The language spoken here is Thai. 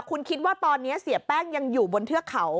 คุณคิดว่าตอนนี้เสียแป้งยังอยู่บนเทือกเขา